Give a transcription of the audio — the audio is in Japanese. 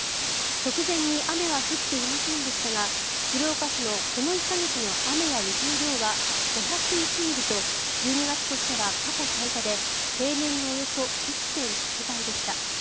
直前に雨は降っていませんでしたが鶴岡市のこの１か月の雨や雪の量は５０１ミリと１２月としては過去最多で平年のおよそ１．８倍でした。